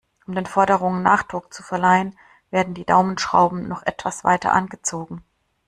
Um den Forderungen Nachdruck zu verleihen, werden die Daumenschrauben noch etwas weiter angezogen.